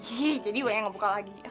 ih jadi gue yang ngebuka lagi